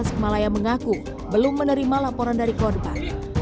restasi kemalaya mengaku belum menerima laporan dari korban